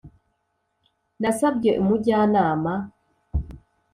nasabye umujyanama